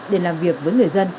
để làm việc với người dân